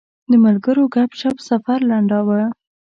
د ملګرو ګپ شپ سفر لنډاوه.